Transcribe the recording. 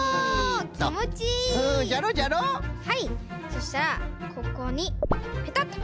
そしたらここにペタッと。